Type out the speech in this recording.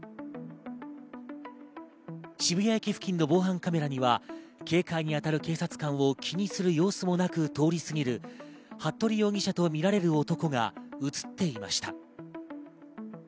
渋谷駅付近の防犯カメラには警戒にあたる警察官を気にする様子もなく通り過ぎる服部容疑者とみられる男が映っていました。